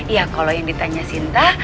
ya kalau yang ditanya cinta